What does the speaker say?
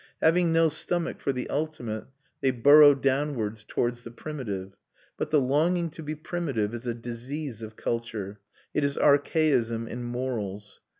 Having no stomach for the ultimate, they burrow downwards towards the primitive. But the longing to be primitive is a disease of culture; it is archaism in morals.